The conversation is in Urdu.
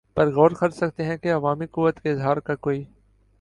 پر غور کر سکتے ہیں کہ عوامی قوت کے اظہار کا کوئی